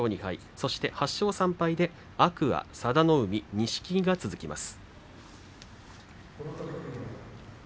そして８勝３敗で天空海、佐田の海錦木が続きます。